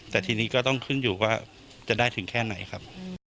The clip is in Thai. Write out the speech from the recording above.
แต่ทีนี้ก็ต้องขึ้นอยู่ว่าจะได้ถึงแค่ไหนครับ